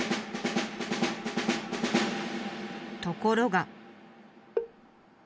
ところが。